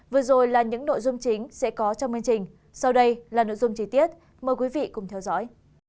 vừa rồi là những nội dung chính sẽ có trong chương trình sau đây là nội dung chi tiết mời quý vị cùng theo dõi